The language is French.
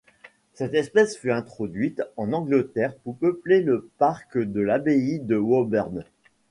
Cette espèce fut introduite en Angleterre pour peupler le parc de l'Abbaye de Woburn.